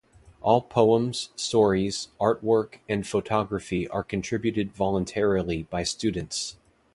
All poems, stories, artwork, and photography are contributed voluntarily by students.